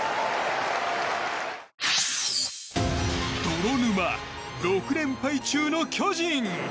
泥沼６連敗中の巨人。